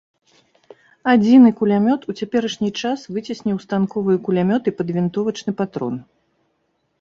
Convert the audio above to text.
Адзіны кулямёт ў цяперашні час выцесніў станковыя кулямёты пад вінтовачны патрон.